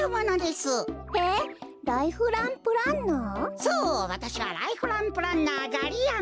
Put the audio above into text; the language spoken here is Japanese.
そうわたしはライフランプランナーガリヤマ。